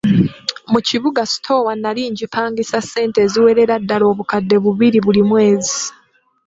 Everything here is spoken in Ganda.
Mu kibuga sitoowa nnali ngipangisa ssente eziwerera ddala obukadde bubiri buli mwezi.